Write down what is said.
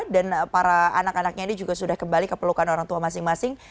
dan para anak anaknya ini juga sudah kembali keperlukan orang tua masing masing